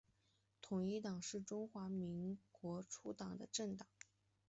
统一党是中华民国初年的政党。